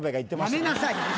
やめなさい